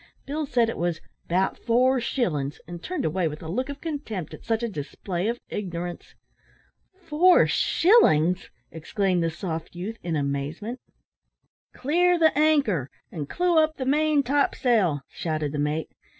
Bill said it was "'bout four shillin's," and turned away with a look of contempt at such a display of ignorance. "Four shillin's!" exclaimed the soft youth, in amazement. "Clear the anchor, and clew up the main topsail," shouted the mate.